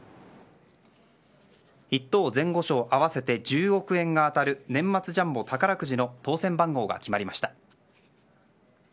１等前後賞合わせて１０億円が当たる年末ジャンボ宝くじの当せん番号が決まりました。